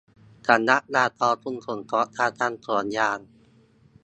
สำนักงานกองทุนสงเคราะห์การทำสวนยาง